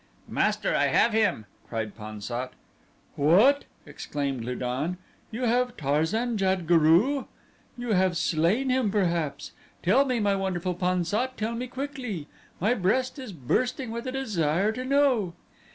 "Master, I have him!" cried Pan sat. "What!" exclaimed Lu don, "you have Tarzan jad guru? You have slain him perhaps. Tell me, my wonderful Pan sat, tell me quickly. My breast is bursting with a desire to know."